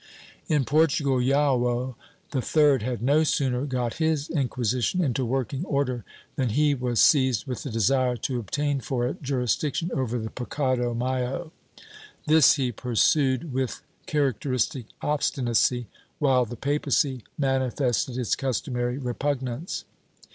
^ In Portugal, Joao III had no sooner got his Inquisition into working order than he was seized with the desire to obtain for it jurisdiction over the pecado maao. This he pursued with charac teristic obstinacy, while the papacy manifested its customary repugnance.